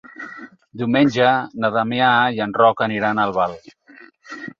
Diumenge na Damià i en Roc aniran a Albal.